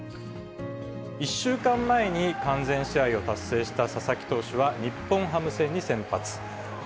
１週間前に完全試合を達成した佐々木投手は、日本ハム戦に先発。